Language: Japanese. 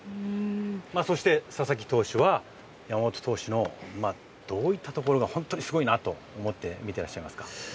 そして佐々木投手は山本投手のどういったところがすごいと思って見ていますか？